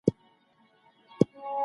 موږ باید د نظم په څرګندوالي پوه سو.